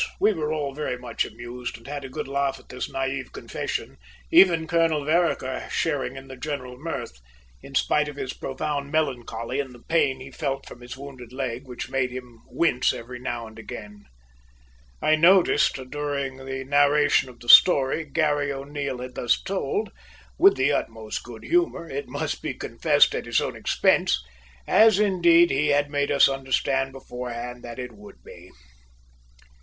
We were all very much amused and had a good laugh at this naive confession, even Colonel Vereker sharing in the general mirth, in spite of his profound melancholy and the pain he felt from his wounded leg, which made him wince every now and again, I noticed, during the narration of the story Garry O'Neil had thus told, with the utmost good humour, it must be confessed, at his own expense, as, indeed, he had made us understand beforehand that it would be.